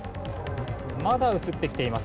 まだ映ってきていません。